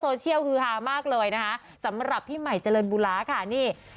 โซเชียลฮือฮามากเลยนะคะสำหรับพี่ใหม่เจริญบุราค่ะนี่